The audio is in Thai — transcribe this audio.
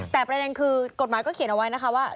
แต่ประเด็นคือกฎหมายก็เขียนเอาไว้นะคะว่า